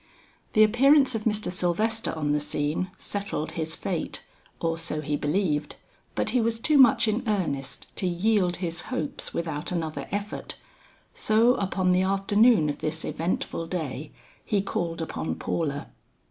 The appearance of Mr. Sylvester on the scene, settled his fate, or so he believed; but he was too much in earnest to yield his hopes without another effort; so upon the afternoon of this eventful day, he called upon Paula.